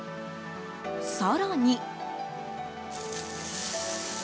更に。